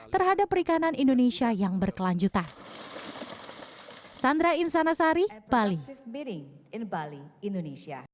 terhadap perikanan indonesia yang berkelanjutan